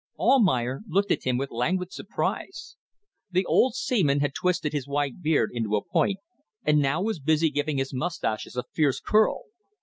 Almayer looked at him with languid surprise. The old seaman had twisted his white beard into a point, and now was busy giving his moustaches a fierce curl.